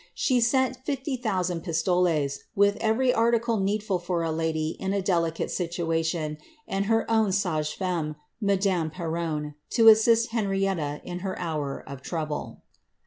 She sent 50,000 pistoles, with eveiy article needful for a lady in a delicate situation, and her own $agefewtmij madame Perronne, to assist Henrietta in her hour of trouble.